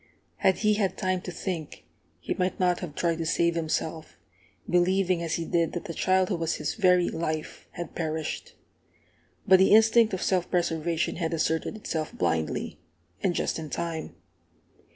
Had he had time to think, he might not have tried to save himself, believing as he did that the child who was his very life had perished. But the instinct of self preservation had asserted itself blindly, and just in time.